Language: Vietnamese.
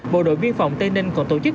bộ đội viên phòng tây ninh còn tổ chức